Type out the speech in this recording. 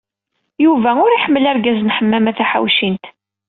Yuba ur iḥemmel argaz n Ḥemmama Taḥawcint.